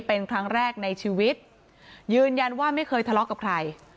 เป็นครั้งแรกในชีวิตยืนยันว่าไม่เคยทะเลาะกับใคร